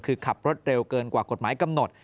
คือขับรถเร็วเกินกว่ากฎหมายกำหนด